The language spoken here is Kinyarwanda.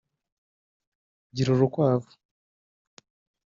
Gira urukwavu